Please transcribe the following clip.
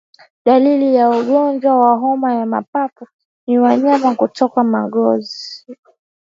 Dalili ya ugonjwa wa homa ya mapafu ni wanyama kutokwa machozi